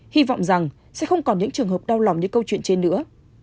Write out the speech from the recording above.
hy vọng rằng sẽ không còn những trường hợp đau lòng như câu chuyện trên nữa